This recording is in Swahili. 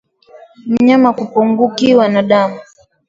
Mnyama kupungukiwa na damu